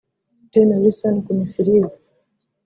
Gen Wilson Gumisiriza